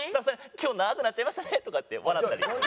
「今日長くなっちゃいましたね！」とかって笑ったり。